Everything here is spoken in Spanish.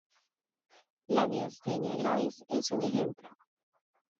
La miastenia gravis es un ejemplo.